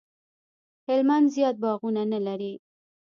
هلمند زیات باغونه نه لري